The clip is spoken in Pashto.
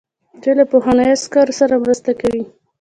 دوی له پخوانیو عسکرو سره مرسته کوي.